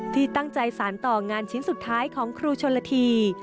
ที่ตั้งใจสารต่องานชิ้นสุดท้ายของครูชนละที